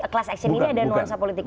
kelas seksi ini ada nuansa politiknya